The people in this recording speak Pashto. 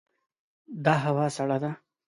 دا هوا سړه ده.